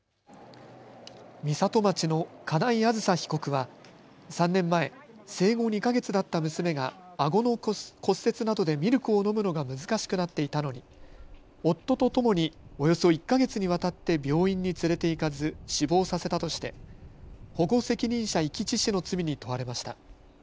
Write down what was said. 美里町の金井あずさ被告は３年前、生後２か月だった娘があごの骨折などでミルクを飲むのが難しくなっていたのに夫とともにおよそ１か月にわたって病院に連れて行かず死亡させたとして保護責任者遺棄致死の罪に問われました。